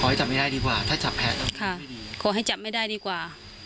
ให้จับไม่ได้ดีกว่าถ้าจับแพ้แล้วค่ะขอให้จับไม่ได้ดีกว่า